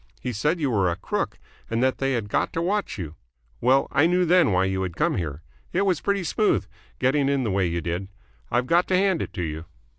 He said you were a crook and that they had got to watch you. Well, I knew then why you had come here. It was pretty smooth, getting in the way you did. I've got to hand it to you."